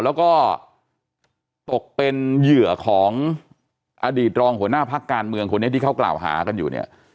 แล้วก็ตกเป็นเหยื่อของอดีตรองหัวหน้าพักการเมืองคนนี้ที่เขากล่าวหากันอยู่เนี่ย